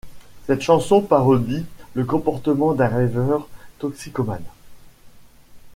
Cette chanson parodie le comportement d'un raver toxicomane.